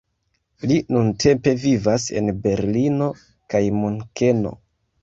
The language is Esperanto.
Li nuntempe vivas en Berlino kaj Munkeno.